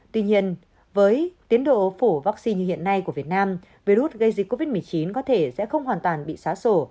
tuy nhiên với tiến độ phủ vaccine như hiện nay của việt nam virus gây dịch covid một mươi chín có thể sẽ không hoàn toàn bị xá sổ